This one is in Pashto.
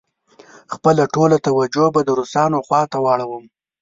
خپله ټوله توجه به د روسانو خواته واړوم.